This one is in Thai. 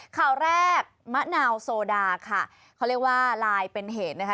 ข่าวแรกมะนาวโซดาค่ะเขาเรียกว่าลายเป็นเหตุนะคะ